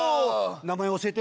「名前教えて」。